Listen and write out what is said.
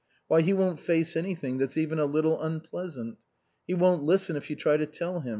Why, he won't face anything that's even a little unpleasant. He won't listen if you try to tell him.